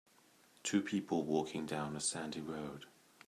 Two people walking down a sandy road.